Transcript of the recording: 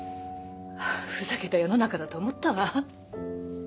ふざけた世の中だと思ったわ。